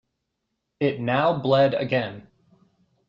It now bled again.